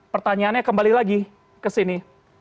pertanyaannya kembali lagi ke sini